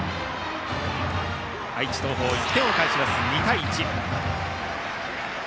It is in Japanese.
愛知・東邦、１点を返して２対１。